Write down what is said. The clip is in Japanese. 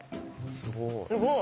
すごい。